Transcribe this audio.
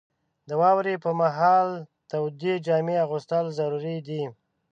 • د واورې پر مهال تودې جامې اغوستل ضروري دي.